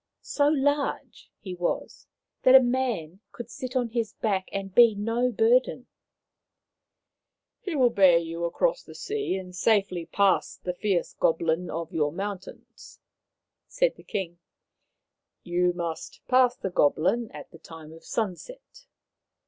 So large he was that a man could sit on his back and be no burden. " He will bear you across the sea and safely The Great Bird of the Hills 219 past the fierce goblin of your mountains,' ' said the king. " You must pass the goblin at the time of sunset.